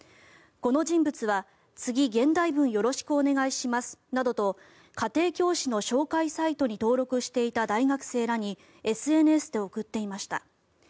この人物は次、現代文よろしくお願いしますなどと家庭教師の紹介サイトに登録していた大学生らにＳＮＳで送っていました。